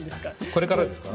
これからですか？